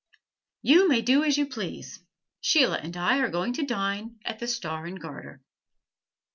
"You may do as you please. Sheila and I are going to dine at the Star and Garter."